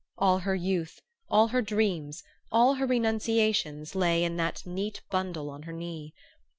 All her youth, all her dreams, all her renunciations lay in that neat bundle on her knee.